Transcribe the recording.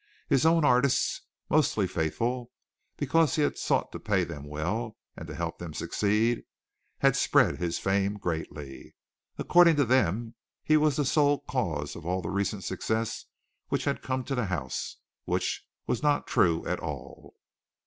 His own artists, mostly faithful because he had sought to pay them well and to help them succeed, had spread his fame greatly. According to them, he was the sole cause of all the recent successes which had come to the house, which was not true at all.